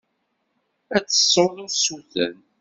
Ad d-tessuḍ usuten.